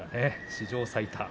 史上最多。